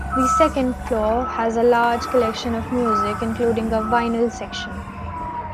The second floor has a large collection of music, including a vinyl section.